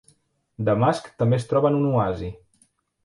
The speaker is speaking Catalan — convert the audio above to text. Damasc també es troba en un oasi.